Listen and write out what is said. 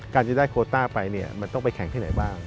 การจะได้โคต้าไปเนี่ยมันต้องไปแข่งที่ไหนบ้าง